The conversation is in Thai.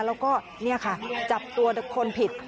แล้วก็จะกรับตัวเขาผิด